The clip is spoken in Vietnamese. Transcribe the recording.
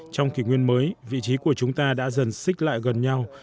trong kỷ nguyên mới vị trí của chúng ta đã dần xích lại gần nhau